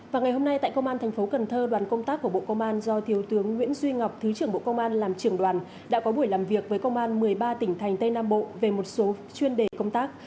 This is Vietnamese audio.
vào ngày hôm nay tại công an thành phố cần thơ đoàn công tác của bộ công an do thiếu tướng nguyễn duy ngọc thứ trưởng bộ công an làm trưởng đoàn đã có buổi làm việc với công an một mươi ba tỉnh thành tây nam bộ về một số chuyên đề công tác